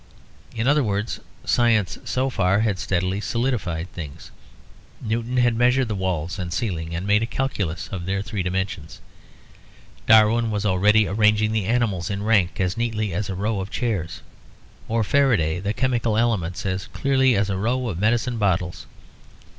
In other words, science so far had steadily solidified things; Newton had measured the walls and ceiling and made a calculus of their three dimensions. Darwin was already arranging the animals in rank as neatly as a row of chairs, or Faraday the chemical elements as clearly as a row of medicine bottles.